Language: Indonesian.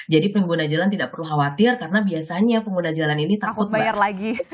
jadi pengguna jalan tidak perlu khawatir karena biasanya pengguna jalan ini takut bayar lagi